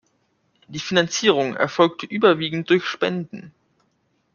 Die Finanzierung erfolgte überwiegend durch Spenden.